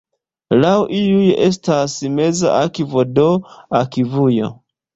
Laŭ iuj estas "meza akvo", do akvujo.